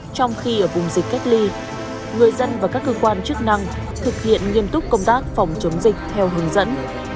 trong khi ở vùng dịch cách ly người dân và các cơ quan chức năng thực hiện nghiêm túc công tác phòng chống dịch theo hướng dẫn